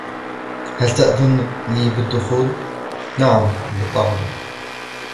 " هل تأذن لي بالدخول ؟"" نعم ، بالطبع ".